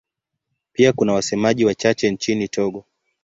Pia kuna wasemaji wachache nchini Togo.